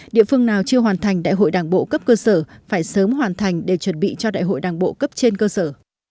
địa phương nào chưa hoàn thành đại hội đảng bộ cấp cơ sở phải sớm hoàn thành để chuẩn bị cho đại hội đảng bộ cấp trên cơ sở